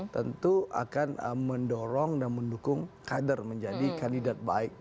tentu akan mendorong dan mendukung kader menjadi kandidat baik